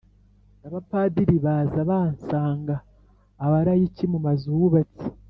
abapadiri baza basanga abalayiki mumazu bubatse